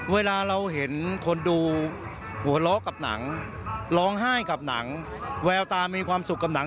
เวลาเราเห็นคนดูหัวเราะกับหนังร้องไห้กับหนังแววตามีความสุขกับหนัง